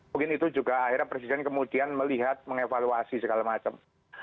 mungkin itu juga akhirnya presiden kemudian melihat mengevaluasi segala macam